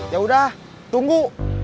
ya udah tunggu